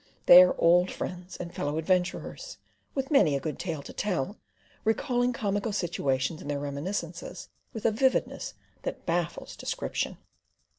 They are old friends and fellow adventurers, with many a good tale to tell, recalling comical situations in their reminiscences with a vividness that baffles description.